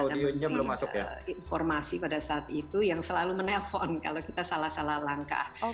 ada informasi pada saat itu yang selalu menelpon kalau kita salah salah langkah